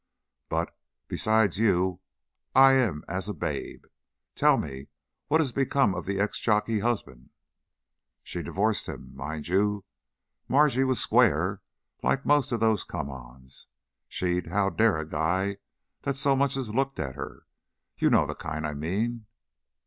But beside you I am as a babe. Tell me, what has become of the ex jockey husband?" "She divorced him. Mind you, Margie was square, like most of those 'come ons.' She'd 'how dare' a guy that so much as looked at her. You know the kind I mean."